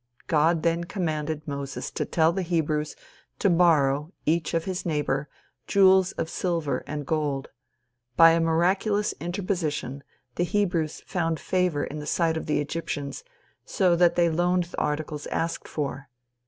God then commanded Moses to tell the Hebrews to borrow, each of his neighbor, jewels of silver and gold. By a miraculous interposition the Hebrews found favor in the sight of the Egyptians so that they loaned the articles asked for.